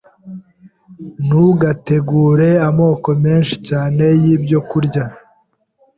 Ntugategure amoko menshi cyane y’ibyokurya